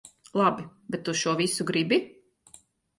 Labi, bet tu šo visu gribi?